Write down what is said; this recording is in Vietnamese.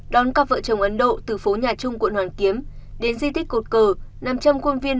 đón cặp vợ chồng ấn độ từ phố nhà trung quận hoàn kiếm đến di tích cột cờ năm trăm linh quân viên